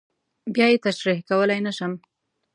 بیا یې تشریح کولی نه شم.